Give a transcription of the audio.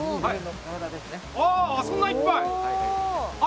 そんないっぱい。